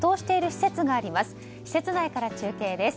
施設内から中継です。